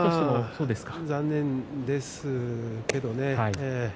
残念ですけどね。